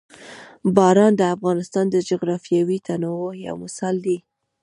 باران د افغانستان د جغرافیوي تنوع یو مثال دی.